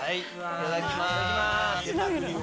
いただきます。